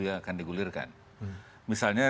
yang akan digulirkan misalnya